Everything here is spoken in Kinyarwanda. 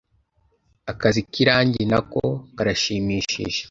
akazi k'irangi, nako, karashimishije